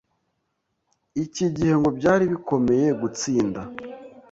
iki gihe ngo byari bikomeye gutsinda